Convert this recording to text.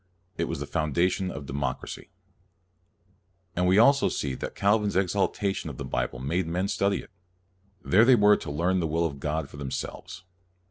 It was the foundation of democracy. And we see also that Calvin's exaltation of the Bible made men study it. There they were to learn the will of God for themselves.